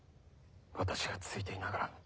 私がついていながら。